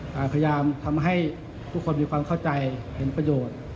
แต่พยายามทำให้ทุกคนมีความเข้าใจเห็นประโยชน์